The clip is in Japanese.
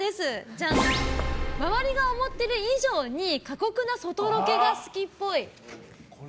周りが思っている以上に過酷な外ロケが好きっぽい。